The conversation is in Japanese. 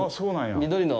緑の。